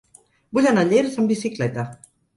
Vull anar a Llers amb bicicleta.